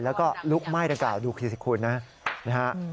แล้วก็ลุกไหม้ตรงกล่าวดูคือสิทธิ์คูณนะครับ